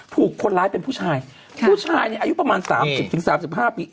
ถูกคนร้ายเป็นผู้ชายผู้ชายเนี่ยอายุประมาณ๓๐๓๕ปี